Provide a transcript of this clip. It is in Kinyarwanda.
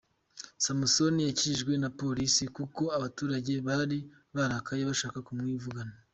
Samson yakijijwe na polisi kuko abaturage bari barakaye bashaka kumwivugana.